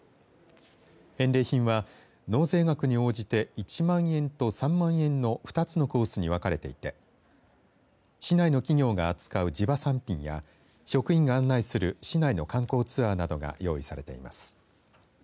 返礼品は納税額に応じて１万円と３万円の２つのコースに分かれていて市内の企業が扱う地場産品や職員が案内する市内の観光ツアーなどが用意されています。